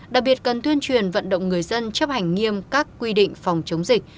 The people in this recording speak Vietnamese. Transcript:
đặc biệt cần tuyên truyền vận động người dân chấp hành nghiêm các quy định phòng chống dịch